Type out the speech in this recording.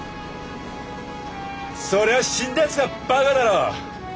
そりゃ死んだやつがばかだろ。